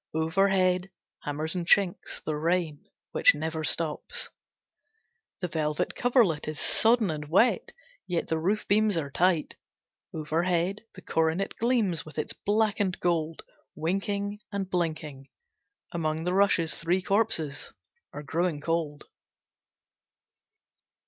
Overhead hammers and chinks the rain which never stops. The velvet coverlet is sodden and wet, yet the roof beams are tight. Overhead, the coronet gleams with its blackened gold, winking and blinking. Among the rushes three corpses are growing cold.